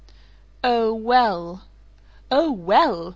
"Oh well " "Oh well!"